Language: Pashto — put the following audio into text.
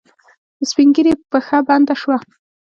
د سپينږيري پښه بنده شوه.